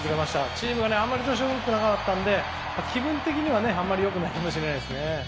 チームがあまり調子が良くなかったので気分的にはあまりよくないかもしれないですね。